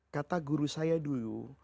kata guru saya dulu